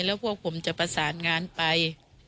แล้วพวกผมจะประสานงานไป